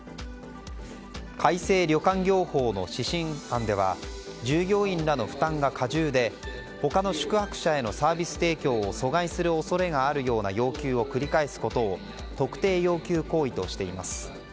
改正旅館業法の指針案では従業員らの負担が過重で他の宿泊者へのサービス提供を阻害する恐れがあるような要求を繰り返すことを特定要求行為としています。